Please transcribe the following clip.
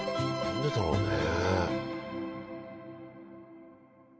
何でだろうね。